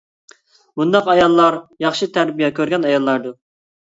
بۇنداق ئاياللار ياخشى تەربىيە كۆرگەن ئاياللاردۇر.